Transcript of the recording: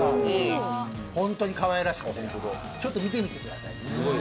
本当にかわいらくして、ちょっと見てみてください。